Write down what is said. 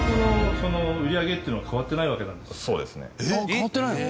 変わってないの？